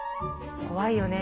怖いよね